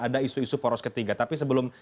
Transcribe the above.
ada isu isu poros ketiga tapi sebelum